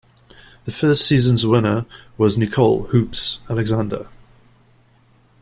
The first season's winner was Nicole "Hoopz" Alexander.